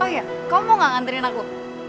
oh ya kamu mau gak ngantriin aku